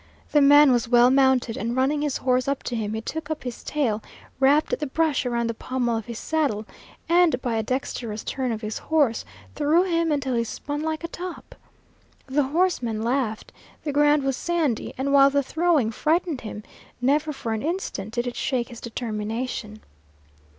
The man was well mounted, and running his horse up to him he took up his tail, wrapped the brush around the pommel of his saddle, and by a dexterous turn of his horse threw him until he spun like a top. The horseman laughed. The ground was sandy, and while the throwing frightened him, never for an instant did it shake his determination.